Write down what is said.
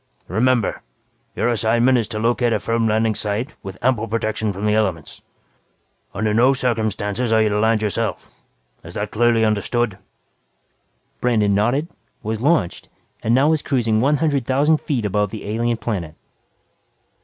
"Remember, your assignment is to locate a firm landing site with ample protection from the elements. Under no circumstances are you to land yourself. Is that clearly understood?" Brandon nodded, was launched and now was cruising one hundred thousand feet above the alien planet.